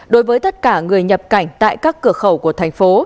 đối với tất cả người nhập cảnh tại các cửa khẩu của thành phố